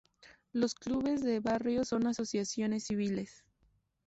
Los clubes de barrio son asociaciones civiles.